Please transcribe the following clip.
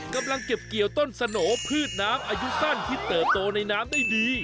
กำลังเก็บเกี่ยวต้นสโหนพืชน้ำอายุสั้นที่เติบโตในน้ำได้ดี